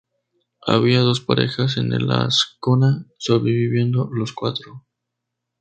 Había dos parejas en el Ascona, sobreviviendo los cuatro.